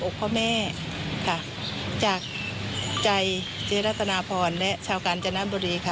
ค่ะจากใจเจรัตนาพรและชาวการจรรย์น้ำบุรีค่ะ